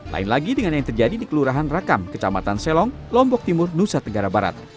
lain lagi dengan yang terjadi di kelurahan rakam kecamatan selong lombok timur nusa tenggara barat